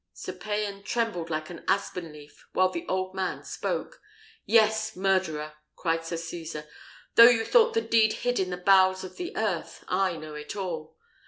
Sir Payan trembled like an aspen leaf while the old man spoke. "Yes, murderer!" continued Sir Cesar; "though you thought the deed hid in the bowels of the earth, I know it all.